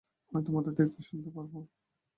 আমি তোমাদের দেখতে শুনতে পারব।